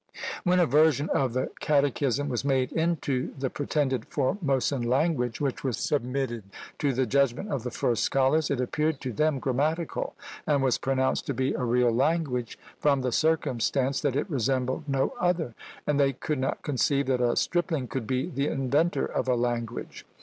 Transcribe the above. When a version of the catechism was made into the pretended Formosan language, which was submitted to the judgment of the first scholars, it appeared to them grammatical, and was pronounced to be a real language, from the circumstance that it resembled no other! and they could not conceive that a stripling could be the inventor of a language.